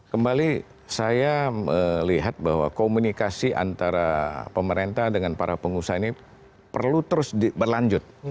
kembali saya melihat bahwa komunikasi antara pemerintah dengan para pengusaha ini perlu terus berlanjut